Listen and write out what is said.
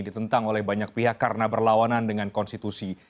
ditentang oleh banyak pihak karena berlawanan dengan konstitusi